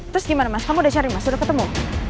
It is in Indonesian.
terus gimana mas kamu udah sharing mas udah ketemu